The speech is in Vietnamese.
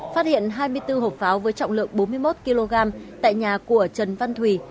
phát hiện hai mươi bốn hộp pháo với trọng lượng bốn mươi một kg tại nhà của trần văn thùy